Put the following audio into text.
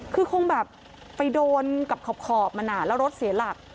คือคงแบบไปโดนกับขอบมันแล้วรถเสียหลัก